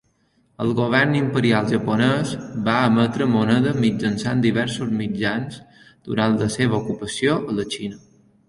El Govern Imperial Japonès va emetre moneda mitjançant diversos mitjans durant la seva ocupació a la Xina.